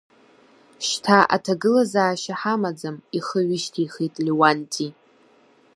Шьҭа аҭагылазаашьа ҳамаӡам, ихы ҩышьҭихит Леуанти.